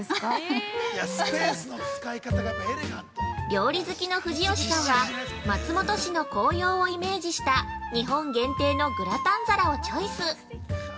◆料理好きの藤吉さんは、松本市の紅葉をイメージした日本限定のグラタン皿をチョイス。